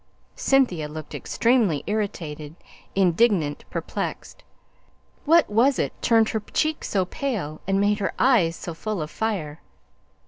Cynthia looked extremely irritated, indignant, perplexed what was it turned her cheek so pale, and made her eyes so full of fire?